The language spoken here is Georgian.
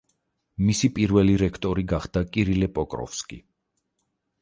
მისი პირველი რექტორი გახდა კირილე პოკროვსკი.